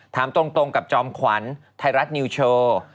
ถามตรงกับจอมขวัญไทยรัฐนิวโชว์